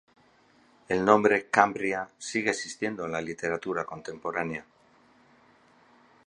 El nombre "Cambria" sigue existiendo en la literatura contemporánea.